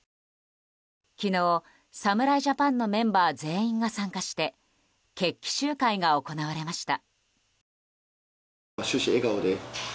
昨日、侍ジャパンのメンバー全員が参加して決起集会が行われました。